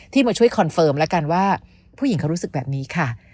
มาช่วยคอนเฟิร์มแล้วกันว่าผู้หญิงเขารู้สึกแบบนี้ค่ะ